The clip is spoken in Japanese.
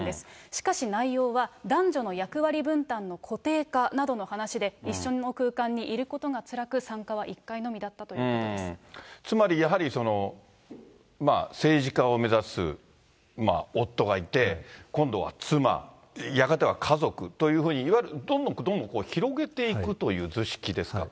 しかし、内容は男女の役割分担の固定化などの話で、一緒の空間にいることがつらく、参加は１回のつまり、やはり政治家を目指す夫がいて、今度は妻、やがては家族というふうに、いわゆるどんどんどんどん広げていくという図式ですか。